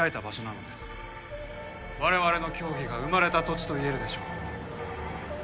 我々の教義が生まれた土地と言えるでしょう。